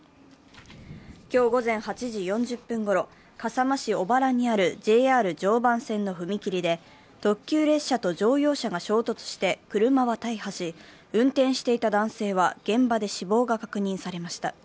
今日午前８時４０分ごろ、笠間市小原にあるＪＲ常磐線の踏切で、特急列車と乗用車が衝突して、車は大破し、運転していた男性は現場で死亡が確認されました。